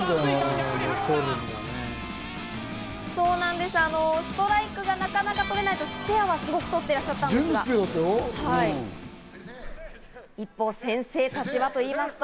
そうなんです、ストライクがなかなか取れない、スペアはすごく取ってらっしゃったんですけど、一方、先生たちはと言いますと。